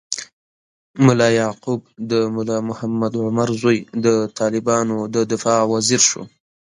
ملا یعقوب، د ملا محمد عمر زوی، د طالبانو د دفاع وزیر شو.